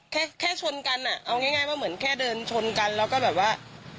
แค่แค่ชนกันอ่ะเอาง่ายว่าเหมือนแค่เดินชนกันแล้วก็แบบว่า